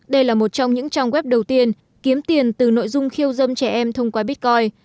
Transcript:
đây là một trong những trang web đầu tiên kiếm tiền từ nội dung khiêu dâm trẻ em thông qua bitcoin